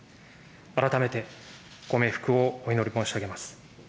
改めて、ご冥福をお祈り申し上げます。